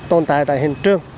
tồn tại tại hình trường